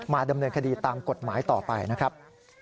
ดำเนินคดีตามกฎหมายต่อไปนะครับ